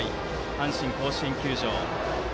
阪神甲子園球場。